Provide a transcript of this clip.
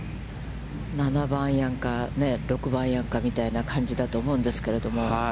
７番アイアンか、６番アイアンか、みたいな感じだと思いますけれども。